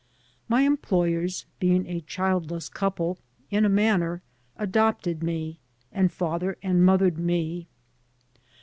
My employers, being a childless couple, in a manner adopted me and f ather and mothered me.